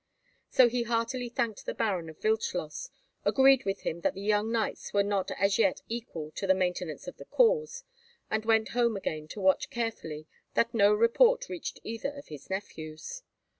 So he heartily thanked the Baron of Wildschloss, agreed with him that the young knights were not as yet equal to the maintenance of the cause, and went home again to watch carefully that no report reached either of his nephews.